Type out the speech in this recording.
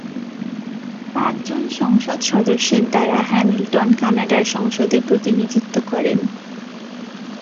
পাঁচ জন সংসদ সদস্যের দ্বারা হ্যামিল্টন কানাডার সংসদে প্রতিনিধিত্ব করেন।